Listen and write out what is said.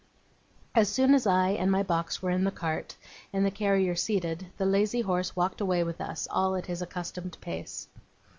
As soon as I and my box were in the cart, and the carrier seated, the lazy horse walked away with us all at his accustomed pace.